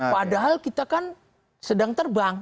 padahal kita kan sedang terbang